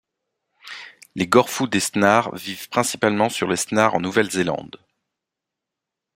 Les gorfous des Snares vivent principalement sur les Snares en Nouvelle-Zélande.